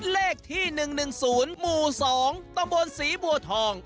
เลขที่๑๑๐หมู่๒ตำบลศรีบัวทอง